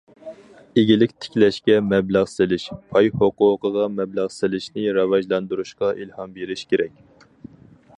ئىگىلىك تىكلەشكە مەبلەغ سېلىش، پاي ھوقۇقىغا مەبلەغ سېلىشنى راۋاجلاندۇرۇشقا ئىلھام بېرىش كېرەك.